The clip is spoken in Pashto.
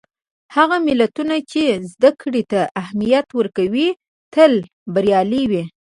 هغه ملتونه چې زدهکړې ته اهمیت ورکوي، تل بریالي وي.